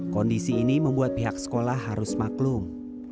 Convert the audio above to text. kondisi ini membuat pihak sekolah harus maklum